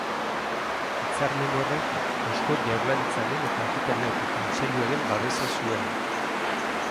Hitzarmen horrek, Eusko Jaurlaritzaren eta Akitaniako Kontseiluaren babesa zuen.